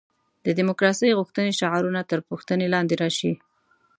د دیموکراسي غوښتنې شعارونه تر پوښتنې لاندې راشي.